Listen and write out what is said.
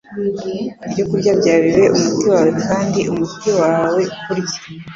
Ibyo kurya byawe bibe umuti wawe kandi umuti wawe kurya